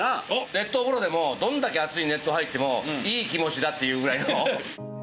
熱湯風呂でも、どんだけ熱い熱湯に入ってもいい気持ちだっていうぐらいの。